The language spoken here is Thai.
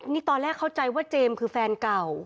นี่ตอนแรกเข้าใจว่าเจมส์คือแฟนเก่า